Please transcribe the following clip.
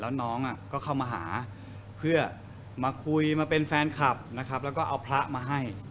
แล้วน้องก็เข้ามาหาเพื่อมาคุยมาเป็นแฟนคลับนะครับแล้วก็เอาพระมาให้